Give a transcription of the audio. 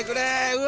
うわ。